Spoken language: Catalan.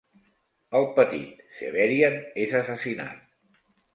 El petit Severian és assassinat.